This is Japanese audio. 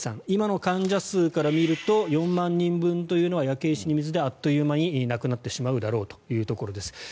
今の患者数から見ると４万人分というのは焼け石に水であっという間になくなってしまうだろうということです。